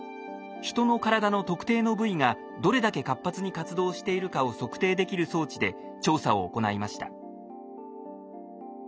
人の体の特定の部位がどれだけ活発に活動しているかを測定できる装置で調査を行いました。